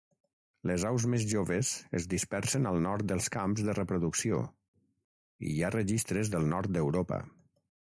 Les aus més joves es dispersen al nord dels camps de reproducció i hi ha registres del nord d'Europa.